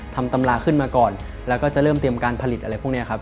ตำราขึ้นมาก่อนแล้วก็จะเริ่มเตรียมการผลิตอะไรพวกนี้ครับ